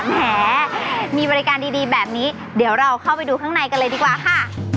แหมมีบริการดีแบบนี้เดี๋ยวเราเข้าไปดูข้างในกันเลยดีกว่าค่ะ